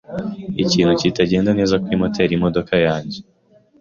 Ikintu kitagenda neza kuri moteri yimodoka yanjye.